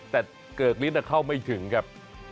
แต่เกิกฤทธิเข้าไม่ถึงครับ